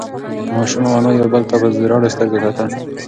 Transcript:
ماشوم او انا یو بل ته په رډو سترگو کتل.